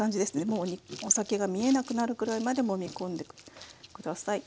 もうお酒が見えなくなるくらいまでもみ込んで下さい。